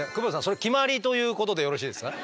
それ決まりということでよろしいですか？